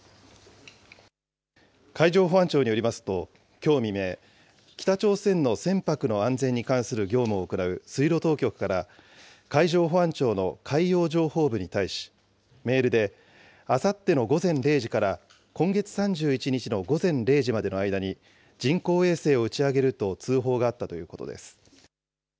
海上保安庁によりますと、きょう未明、北朝鮮の船舶の安全に関する業務を行う水路当局から、海上保安庁の海洋情報部に対し、メールであさっての午前０時から今月３１日の午前０時までの間に、人工衛星を打ち上げると通報があったということです。